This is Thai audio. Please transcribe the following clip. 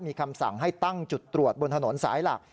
มีคำสั่งให้ตั้งจุดตรวจบนถนนสายหลัก